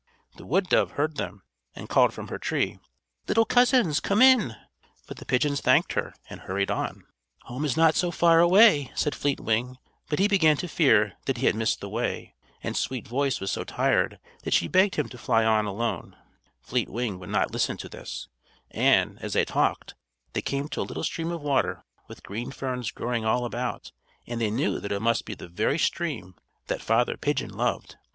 The wood dove heard them, and called from her tree: "Little cousins, come in!" But the pigeons thanked her and hurried on. "Home is not so far away," said Fleet Wing; but he began to fear that he had missed the way, and Sweet Voice was so tired that she begged him to fly on alone. [Illustration: The little pigeons were taken in to see the king's daughter.] Fleet Wing would not listen to this; and, as they talked, they came to a little stream of water with green ferns growing all about, and they knew that it must be the very stream that Father Pigeon loved.